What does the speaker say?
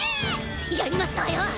やりますわよ！